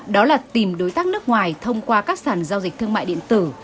đó là tìm đối tác nước ngoài thông qua các sản giao dịch thương mại điện tử